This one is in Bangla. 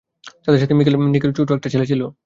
তাদের সাথে মিকেল নিলসেন নামে ছোট একটা ছেলে ছিলো।